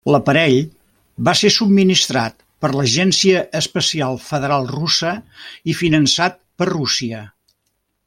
L'aparell va ser subministrat per l'Agència Espacial Federal Russa i finançat per Rússia.